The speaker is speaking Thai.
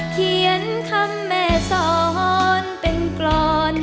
เขียนคำแม่สอนเป็นกรอน